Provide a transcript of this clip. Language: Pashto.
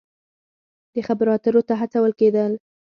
د خبرو اترو ته هڅول کیږي.